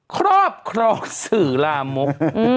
ครอบครองสื่อลามก